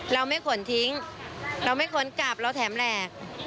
เราไม่ขนทิ้งเราไม่ขนกลับเราแถมแหลก